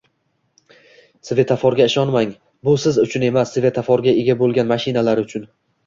Svetoforga ishonmang, bu siz uchun emas, svetoforga ega bo'lgan mashinalar uchun